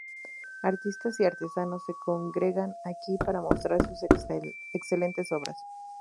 Artistas y artesanos se congregan aquí para mostrar sus excelentes obras.